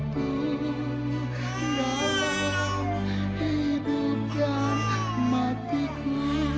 dalam hidup dan matiku